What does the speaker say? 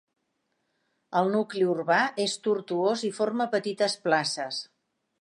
El nucli urbà és tortuós i forma petites places.